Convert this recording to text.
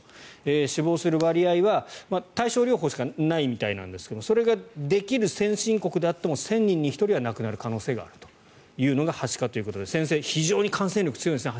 死亡する割合は、対症療法しかないみたいなんですがそれができる先進国であっても１０００人に１人は亡くなる可能性があるというのがはしかということで非常に感染力が強いんですね